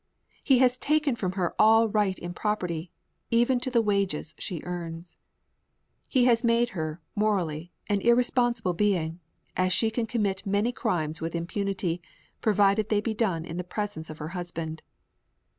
He has taken from her all right in property, even to the wages she earns. He has made her, morally, an irresponsible being, as she can commit many crimes with impunity, provided they be done in the presence of her husband.